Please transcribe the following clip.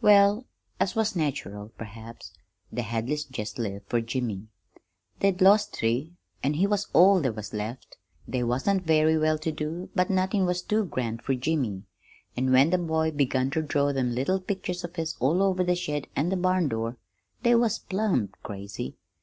"Well, as was natural, perhaps, the Hadleys jest lived fer Jimmy. They'd lost three, an' he was all there was left. They wasn't very well to do, but nothin' was too grand fer Jimmy, and when the boy begun ter draw them little pictures of his all over the shed an' the barn door, they was plumb crazy.